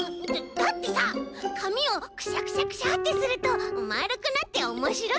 だってさかみをクシャクシャクシャッてするとまるくなっておもしろいんだもん。